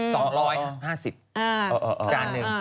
๕๐จานหนึ่ง